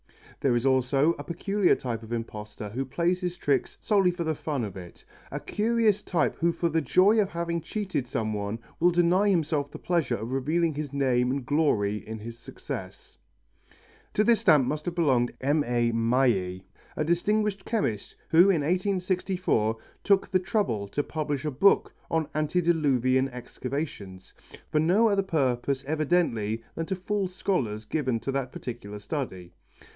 There is also a peculiar type of impostor who plays his tricks solely for the fun of it, a curious type who for the joy of having cheated some one, will deny himself the pleasure of revealing his name and glory in his success. To this stamp must have belonged M. A. Maillet, a distinguished chemist who in 1864 took the trouble to publish a book on antediluvian excavations, for no other purpose evidently than to fool scholars given to that particular study.